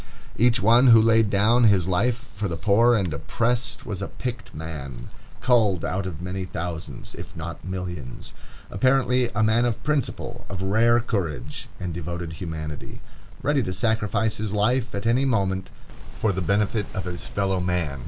Each one who there laid down his life for the poor and oppressed was a picked man, culled out of many thousands, if not millions; apparently a man of principle, of rare courage, and devoted humanity, ready to sacrifice his life at any moment for the benefit of his fellow man.